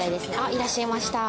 いらっしゃいました。